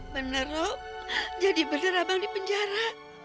benar rob jadi benar abang di penjara